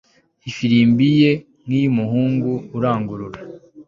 ifirimbi ye, nk'iy'umuhungu, irangurura